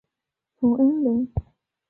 冯恩人。